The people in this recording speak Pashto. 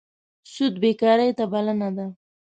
سود بېکارۍ ته بلنه ده.